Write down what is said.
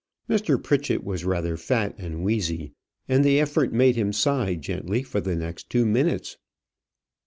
Mr. Pritchett was rather fat and wheezy, and the effort made him sigh gently for the next two minutes.